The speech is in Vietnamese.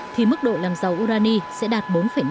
thì mức độ làm dầu urani sẽ đạt bốn năm